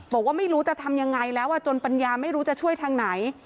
บอกว่าไม่รู้จะทำยังไงแล้วจนปัญญาไม่รู้จะช่วยทางไหน